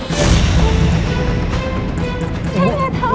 saya nggak tau